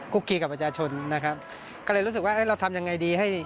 กี้กับประชาชนนะครับก็เลยรู้สึกว่าเอ้ยเราทำยังไงดีให้